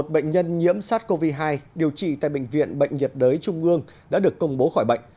một bệnh nhân nhiễm sars cov hai điều trị tại bệnh viện bệnh nhiệt đới trung ương đã được công bố khỏi bệnh